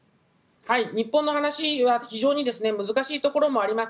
日本の話は非常に難しいところもあります。